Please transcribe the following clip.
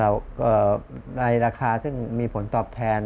ในราคาซึ่งมีผลตอบแทน